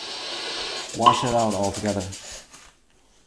Wash it out altogether.